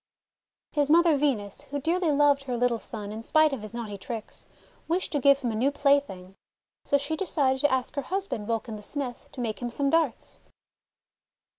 His mother Venus, who dearly loved her little son in spite of his naughty tricks, wished to give him a new plaything. So she decided to ask her husband, Vulcan the Smith, to make him some darts.